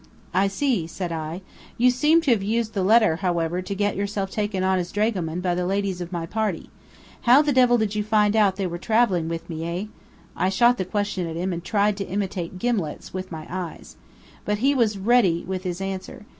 "I see," said I. "You seem to have used the letter, however, to get yourself taken on as dragoman by the ladies of my party. How the devil did you find out that they were travelling with me, eh?" I shot the question at him and tried to imitate gimlets with my eyes. But he was ready with his answer.